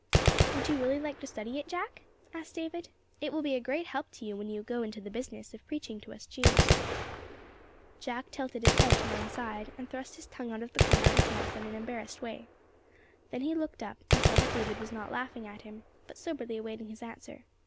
"Would you really like to study it, Jack?" asked David. "It will be a great help to you when you 'go into the business' of preaching to us Jews." Jack tilted his head to one side, and thrust his tongue out of the corner of his mouth in an embarrassed way. Then he looked up, and saw that David was not laughing at him, but soberly awaiting his answer.